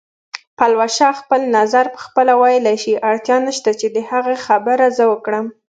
پلوشه خپل نظر پخپله ویلی شي، اړتیا نشته چې د هغې خبرې زه وکړم